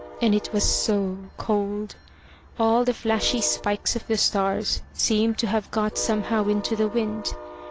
And it was so cold! All the flashy spikes of the stars seemed to have got somehow into the wind.